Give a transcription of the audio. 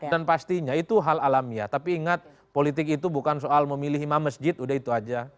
dan pastinya itu hal alamiah tapi ingat politik itu bukan soal memilih imam masjid udah itu aja